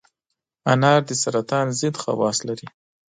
انار د سرطان ضد خواص لري.